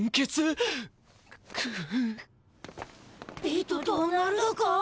ビートどうなるだか？